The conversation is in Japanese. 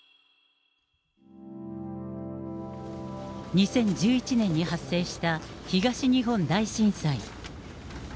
２０１１年に発生した東日本大震災。